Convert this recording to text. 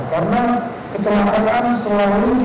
karena kecelakaan selalu dijalankan dengan pelanggaran